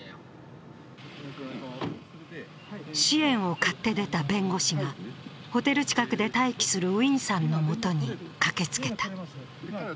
支援を買って出た弁護士が、ホテル近くで待機するウィンさんの元に駆けつけた。